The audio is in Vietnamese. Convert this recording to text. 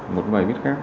một vài viết khác